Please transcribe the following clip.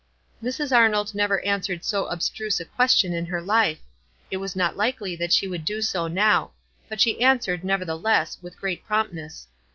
Mrs. Arnold never answered so abstruse a question in her life — it was not likely that she would do so now ; but she answered, neverthe less, with great promptness.